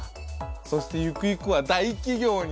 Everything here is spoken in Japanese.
そしてゆくゆくは大企業に！